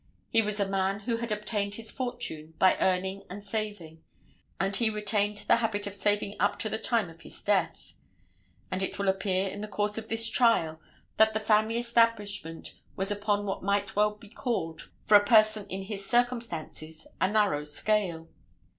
He was a man who had obtained his fortune by earning and saving, and he retained the habit of saving up to the time of his death; and it will appear in the course of this trial that the family establishment was upon what might well be called, for a person in his circumstances, a narrow scale.